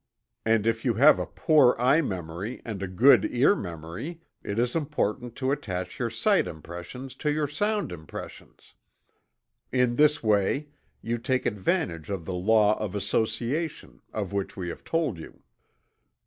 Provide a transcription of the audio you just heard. And if you have a poor eye memory, and a good ear memory it is important to attach your sight impressions to your sound impressions. In this way you take advantage of the law of association, of which we have told you.